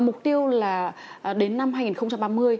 mục tiêu là đến năm hai nghìn ba mươi